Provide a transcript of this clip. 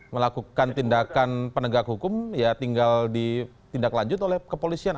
melakukan tindakan penegak hukum ya tinggal ditindaklanjut oleh kepolisian